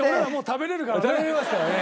食べれますからね。